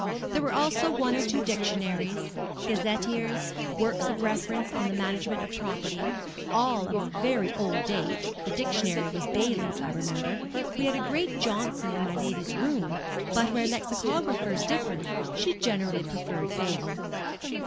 There were also one or two dictionaries, gazetteers, works of reference on the management of property; all of a very old date (the dictionary was Bailey's, I remember; we had a great Johnson in my lady's room, but where lexicographers differed, she generally preferred Bailey).